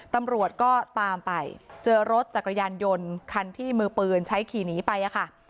ตำรวจก็ตามไปเจอรถจักรยานยนต์คันที่มือปืนใช้ขี่หนีไปค่ะ